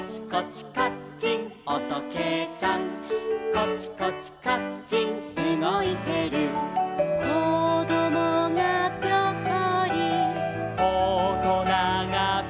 「コチコチカッチンうごいてる」「こどもがピョコリ」「おとながピョコリ」